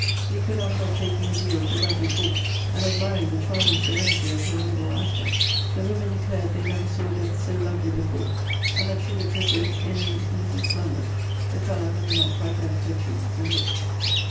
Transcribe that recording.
We could not help taking a view of the lovely corpse, and admiring the charming serenity of her noble aspect. The women declared they never say death so lovely before; and that she looked as if in an easy slumber, the colour having not quite left her cheeks and lips.